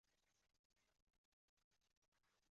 阿吉曼和哈伊马角的麦加利地震烈度为。